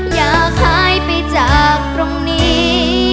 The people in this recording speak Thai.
อยากหายไปจากตรงนี้